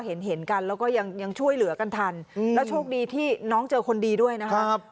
เห็นเห็นกันแล้วก็ยังช่วยเหลือกันทันแล้วโชคดีที่น้องเจอคนดีด้วยนะครับ